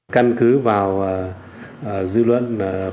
căn cứ vào dư luận